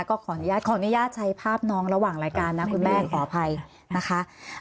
ก็ขออนุญาตขออนุญาตใช้ภาพน้องระหว่างรายการนะคุณแม่ขออภัยนะคะ